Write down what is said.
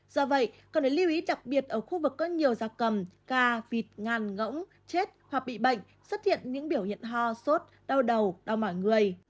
do vậy cần lưu ý đặc biệt ở khu vực có nhiều gia cầm ca vịt ngàn gỗng chết hoặc bị bệnh xuất hiện những biểu hiện ho sốt đau đầu đau mỏi người